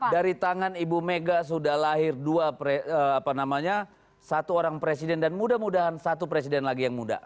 dari tangan ibu mega sudah lahir dua satu orang presiden dan mudah mudahan satu presiden lagi yang muda